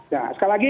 nah sekali lagi